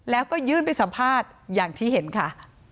แล้วก็ยื่นไปสัมภาษณ์อย่างที่เห็นค่ะ